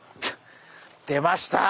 出ました。